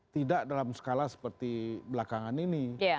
tidak dalam skala seperti belakangan ini